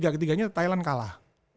tiga ketiganya thailand kalah